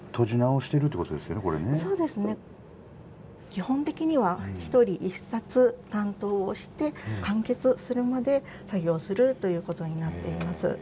基本的には１人１冊担当をして完結するまで作業するということになっています。